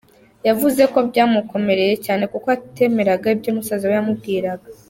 Yavuze ko byamukomereye cyane kuko atemeraga ibyo musaza we yamubwiraga.